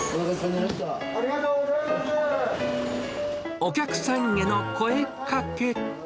お客さんへの声かけ。